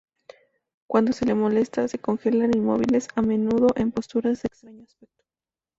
Cuando se les molesta, se congelan inmóviles, a menudo en posturas de extraño aspecto.